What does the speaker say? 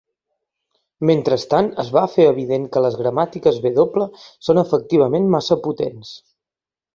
Mentrestant, es va fer evident que les gramàtiques W són efectivament massa potents.